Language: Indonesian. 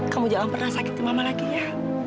kamu jangan pernah sakitin mama lagi ya